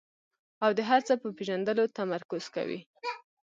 او د هر څه په پېژندلو تمرکز کوي.